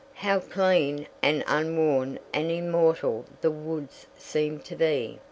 How clean and unworn and immortal the woods seemed to be!